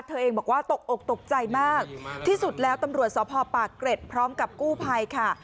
เธอเองบอกว่าตกอกตกใจมากที่สุดแล้วตำรวจสพปากเกร็ดพร้อมกับกู้ภัยค่ะ